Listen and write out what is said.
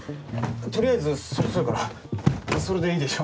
とりあえずそうするからそれでいいでしょ？